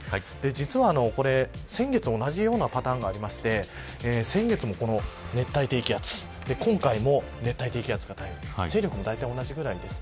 実は先月同じようなパターンがありまして先月もこの熱帯低気圧今回も熱帯低気圧が台風勢力もだいたい同じくらいです。